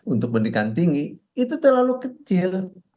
untuk pendidikan tinggi itu terlalu kecil